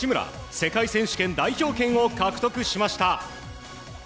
世界選手権代表権を獲得しました。